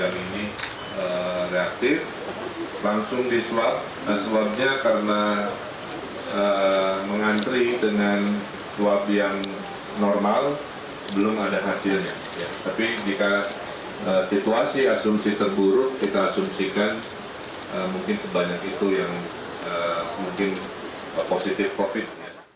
mungkin sebanyak itu yang mungkin positif covid sembilan belas